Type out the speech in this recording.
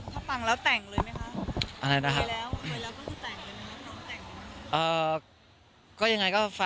ถ้าฟังแล้วแต่งเลยไหมคะ